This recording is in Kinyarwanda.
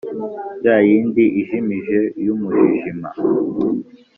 Ya yindi ijimije y'umujijima